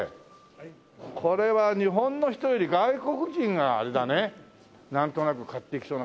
これは日本の人より外国人があれだねなんとなく買っていきそうな感じ。